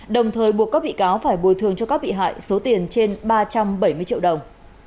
đồng thời buộc các bị cáo phải bồi thường cho các bị hại số tiền trên ba trăm bảy mươi triệu đồng